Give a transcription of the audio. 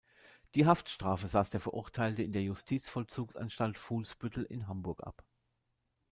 Die Haftstrafe saß der Verurteilte in der Justizvollzugsanstalt Fuhlsbüttel in Hamburg ab.